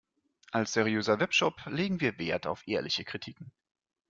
Als seriöser Webshop legen wir Wert auf ehrliche Kritiken.